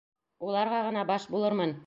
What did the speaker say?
Уларға ғына баш булырмын.